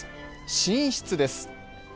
寝室です。